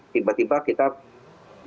tiba tiba kita gejalanya tuh habis berubah